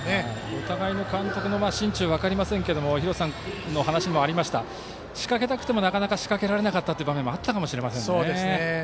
お互いの監督の心中は分かりませんけども廣瀬さんの話にもあった仕掛けたくても仕掛けられなかった場面があったかもしれません。